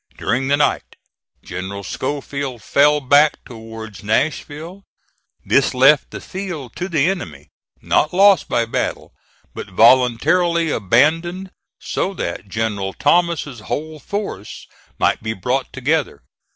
During the night, General Schofield fell back towards Nashville. This left the field to the enemy not lost by battle, but voluntarily abandoned so that General Thomas's whole force might be brought together.